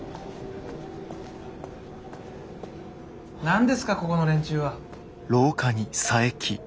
何ですかここの連中は。